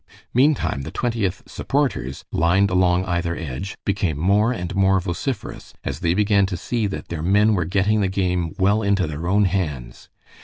Meantime, the Twentieth supporters, lined along either edge, became more and more vociferous as they began to see that their men were getting the game well into their own hands.